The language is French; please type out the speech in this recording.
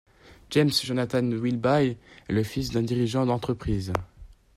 James Jonathon Wilby est le fils d'un dirigeant d'entreprise.